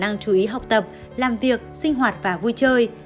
khả năng chú ý học tập làm việc sinh hoạt và vui chơi